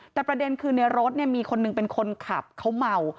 แต่ประเด็นคือในรถมีคนหนึ่งเป็นคนขับเขาเมา